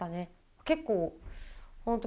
結構本当